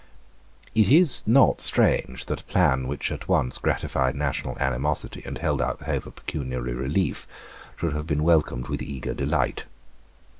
It is not strange that a plan which at once gratified national animosity, and held out the hope of pecuniary relief, should have been welcomed with eager delight.